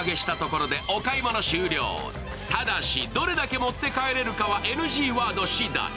どれだけ持って帰れるかは、ＮＧワード次第。